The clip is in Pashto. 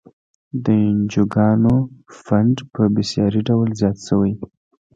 د انجوګانو فنډ په بیسارې ډول زیات شوی.